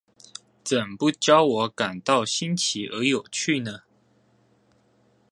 怎不教我感到新奇而有趣呢？